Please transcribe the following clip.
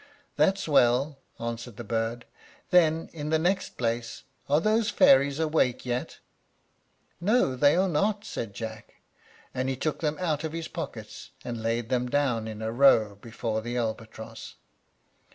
"That's well," answered the bird; "then, in the next place, are those fairies awake yet?" "No, they are not," said Jack; and he took them out of his pockets, and laid them down in a row before the albatross.